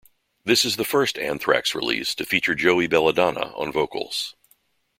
This is the first Anthrax release to feature Joey Belladonna on vocals.